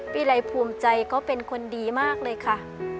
อะไรภูมิใจก็เป็นคนดีมากเลยค่ะ